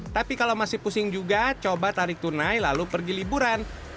tapi kalau masih pusing juga coba tarik tunai lalu pergi liburan